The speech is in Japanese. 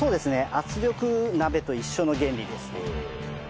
圧力鍋と一緒の原理ですね。